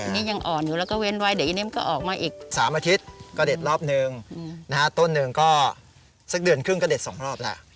ต้องเป็นคู่สามอาทิตย์ก็เด็ดรอบหนึ่งต้นหนึ่งก็สักเดือนครึ่งก็เด็ดสองรอบแล้ว